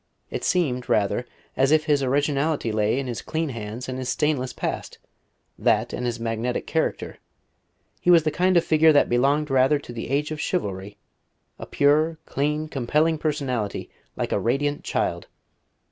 It seemed rather as if his originality lay in his clean hands and his stainless past that, and his magnetic character. He was the kind of figure that belonged rather to the age of chivalry: a pure, clean, compelling personality, like a radiant child.